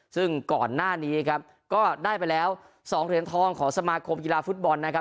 ซึ่งก่อนหน้านี้ครับก็ได้ไปแล้ว๒เหรียญทองของสมาคมกีฬาฟุตบอลนะครับ